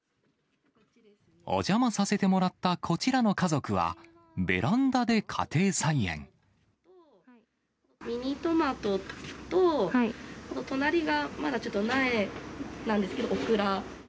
お邪魔させてもらったこちらの家族は、ミニトマトと、隣はまだちょっと苗なんですけど、オクラ。